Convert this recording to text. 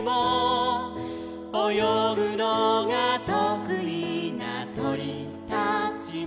「およぐのがとくいなとりたちも」